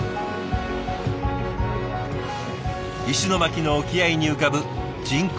石巻の沖合に浮かぶ人口